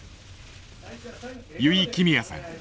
油井亀美也さん。